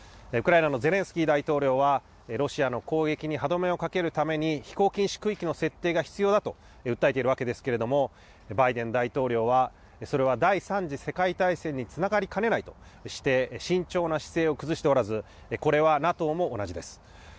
ウクライナのゼレンスキー大統領は、ロシアの攻撃に歯止めをかけるために、飛行禁止区域の設定が必要だと訴えているわけですけれども、バイデン大統領は、それは第３次世界大戦につながりかねないとして、慎重な姿勢を崩しておらず、これはＮＡＴＯも同じです。